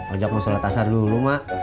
ajak mau sholat asar dulu mak